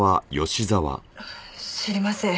知りません。